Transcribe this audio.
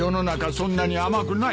そんなに甘くない。